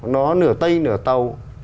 nó nửa tay nửa tàu